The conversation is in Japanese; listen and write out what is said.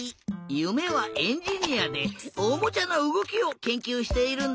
ゆめはエンジニアでおもちゃのうごきをけんきゅうしているんだって！